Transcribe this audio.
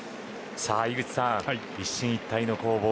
井口さん、一進一退の攻防